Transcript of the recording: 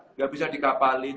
enggak bisa di kapalin